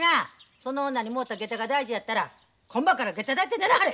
その女にもろた下駄が大事やったら今晩から下駄抱いて寝なはれ！